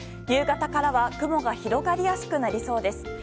夕方からは雲が広がりやすくなりそうです。